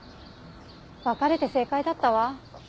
別れて正解だったわ。